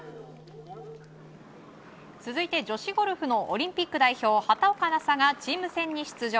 続いて、女子ゴルフのオリンピック代表、畑岡奈紗がチーム戦に出場。